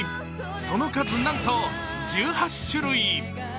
その数、なんと１８種類。